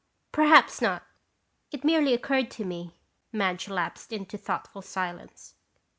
"Perhaps not. It merely occurred to me." Madge lapsed into thoughtful silence.